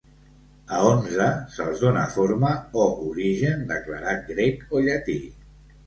A onze se'ls dóna forma o origen declarat grec o llatí.